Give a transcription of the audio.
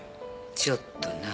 ちょっとな。